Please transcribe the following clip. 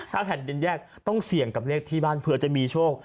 ถ้าแผ่นดินแยกต้องเสี่ยงกับเลขที่บ้านเผื่อจะมีโชค